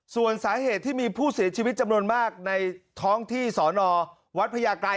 ส่วนสาเหตุที่มีผู้เสียชีวิตจำนวนมากในท้องที่สอนอวัดพญาไกร